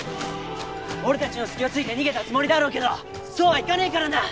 俺たちの隙を突いて逃げたつもりだろうけどそうはいかねえからな！